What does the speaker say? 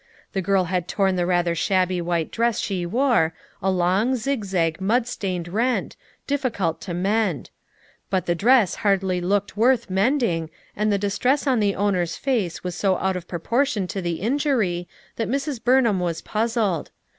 The girl had torn the rather shabby white dress she wore, a long, zig zag, mud stained rent, difficult to mend; but the dress hardly looked worth mend ing and the distress on the owner's face was so out of proportion to the injury that Mrs. Burn ham was puzzled.